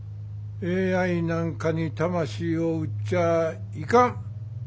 ＡＩなんかに魂を売っちゃいかん。